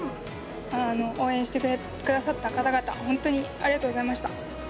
応援してくださった方々、本当にありがとうございました。